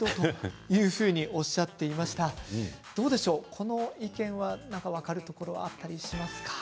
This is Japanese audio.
この意見は分かるところはあったりしますか？